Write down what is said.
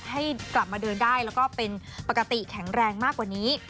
ให้กลับมาเดินได้แล้วก็เป็นปกติแข็งแรงมากกว่านี้